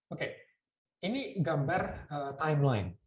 oke ini gambar timeline